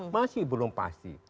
masih belum pasti